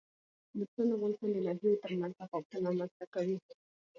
نورستان د افغانستان د ناحیو ترمنځ تفاوتونه رامنځ ته کوي.